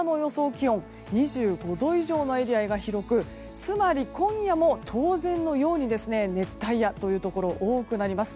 気温２５度以上のエリアが広くつまり、今夜も当然のように、熱帯夜のところが多くなります。